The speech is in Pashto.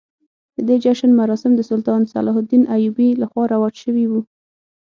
د دې جشن مراسم د سلطان صلاح الدین ایوبي لخوا رواج شوي وو.